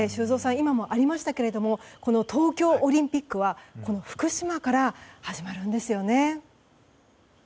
今もありましたがこの東京オリンピックは福島から始まるんですよね。